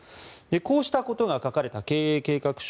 こうしたことが書かれた経営計画書